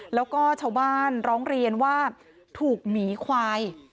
แล้วก็ชาวบ้านร้องเรียนว่าถูกหมีควาย